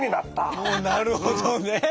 なるほどね。